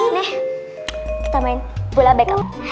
nih kita main bola bekel